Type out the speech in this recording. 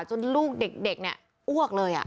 จนลูกเด็กเนี่ยอ้วกเลย